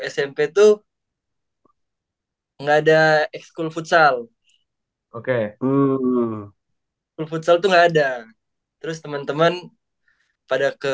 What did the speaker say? smp tuh enggak ada ekskul futsal oke futsal tuh nggak ada terus teman teman pada ke